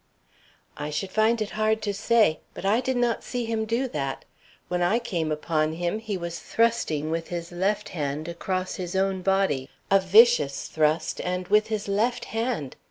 "I should find it hard to say. But I did not see him do that. When I came upon him, he was thrusting with his left hand across his own body a vicious thrust and with his left hand.